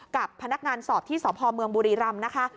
กับพนักงานสอบที่สพเมืองบุรีรำนะคะ